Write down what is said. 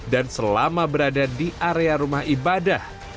dan selama berada di area rumah ibadah